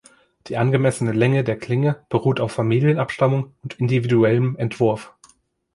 Die angemessene Länge der Klinge beruht auf Familienabstammung und individuellem Entwurf.